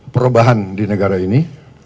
perubahan di negara ini